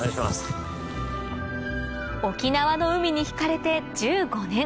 沖縄の海に引かれて１５年